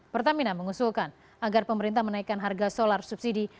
pertamina mengusulkan agar pemerintah menaikkan harga solar subsidi